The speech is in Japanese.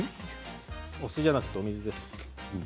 お酢じゃなくてお水です。